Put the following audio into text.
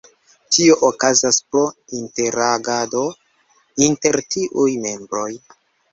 Tio okazas pro interagado inter tiuj membroj.